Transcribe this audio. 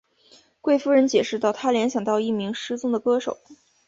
贵夫人解释道她联想到一名失踪的歌手。